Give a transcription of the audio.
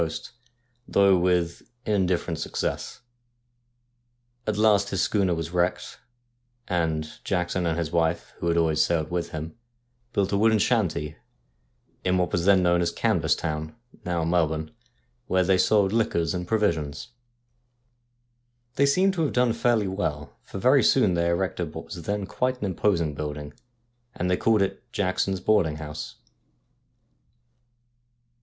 A GHOST FROM THE SEA 163 At last his Schooner was wrecked, and Jackson and his wife, ■who had always sailed with him, built a wooden shanty, in what was then known as Canvas Town — now Melbourne — where they sold liquors and provisions. They seemed to have done fairly well, for very soon they erected what was then quite an imposing building, and they called it ' Jackson's Boarding house.'